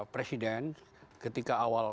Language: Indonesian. presiden ketika awal